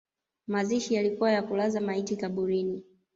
Mazishi yalikuwa ya kulaza maiti kaburini